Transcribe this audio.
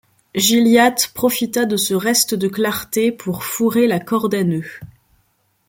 Gilliatt profita de ce reste de clarté pour fourrer la corde à nœuds.